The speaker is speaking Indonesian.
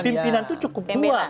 pimpinan itu cukup dua